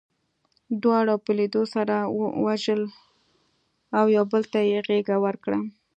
دواړو په لیدو سره وژړل او یو بل ته یې غېږه ورکړه